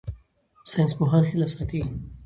ساینسپوهان هیله ساتي.